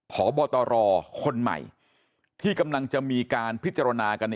พบตรคนใหม่ที่กำลังจะมีการพิจารณากัน